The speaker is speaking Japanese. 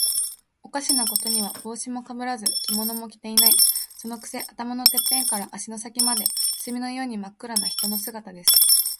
おかしなことには、帽子もかぶらず、着物も着ていない。そのくせ、頭のてっぺんから足の先まで、墨のようにまっ黒な人の姿です。